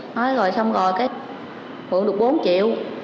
nói rồi xong rồi cái mượn được bốn triệu